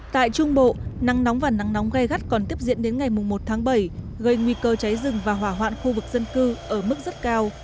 tại trung bộ nắng nóng và nắng nóng gai gắt còn tiếp diễn đến ngày một tháng bảy gây nguy cơ cháy rừng và hỏa hoạn khu vực dân cư ở mức rất cao